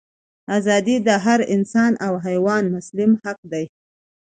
ازادي د هر انسان او حیوان مسلم حق دی.